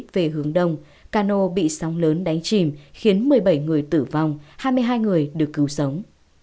về hướng đông cano bị sóng lớn đánh chìm khiến một mươi bảy người tử vong hai mươi hai người được cứu sống